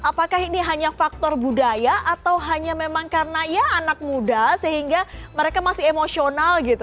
apakah ini hanya faktor budaya atau hanya memang karena ya anak muda sehingga mereka masih emosional gitu